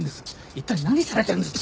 一体何されてるんですか？